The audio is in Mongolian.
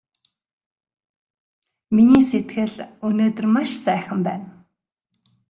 Миний сэтгэл өнөөдөр маш сайхан байна!